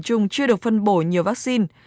các địa phương chưa được phân bổ nhiều vaccine